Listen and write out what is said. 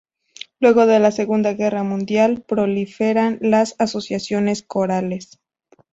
Luego de la Segunda Guerra Mundial, proliferan las asociaciones corales.